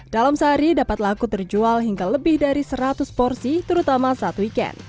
dalam sehari dapat laku terjual hingga lebih dari seratus porsi terutama saat weekend